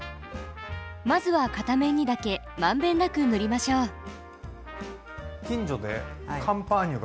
まずは片面にだけ満遍なく塗りましょう。